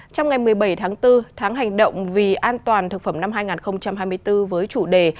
trong ngày một mươi bảy tháng bốn tháng hành động vì an toàn thực phẩm năm hai nghìn hai mươi bốn với chủ đề